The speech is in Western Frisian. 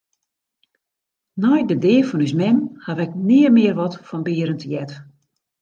Nei de dea fan ús mem haw ik nea mear wat fan Berend heard.